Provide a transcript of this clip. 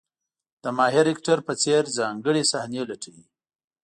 د ماهر اکټر په څېر ځانګړې صحنې لټوي.